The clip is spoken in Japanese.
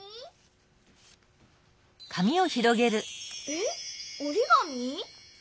えっおりがみ？